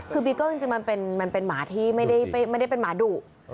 คือบีเกอร์จริงมันเป็นหมาที่ไม่ได้เป็นหมาดุ